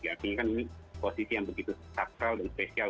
jadi ini kan posisi yang begitu takral dan spesial